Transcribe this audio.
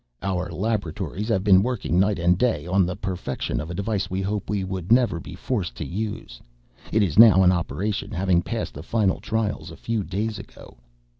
"Our laboratories have been working night and day on the perfection of a device we hoped we would never be forced to use. It is now in operation, having passed the final trials a few days ago.